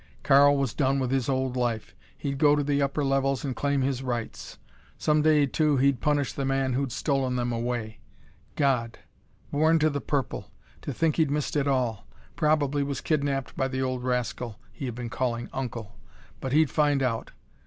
Karl was done with his old life. He'd go to the upper levels and claim his rights. Some day, too, he'd punish the man who'd stolen them away. God! Born to the purple! To think he'd missed it all! Probably was kidnaped by the old rascal he'd been calling uncle. But he'd find out.